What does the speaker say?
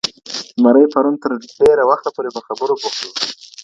زمری پرون تر ډېره وخته پوري په خبرو بوخت وو.